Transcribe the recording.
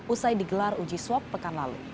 usai digelar uji swab pekan lalu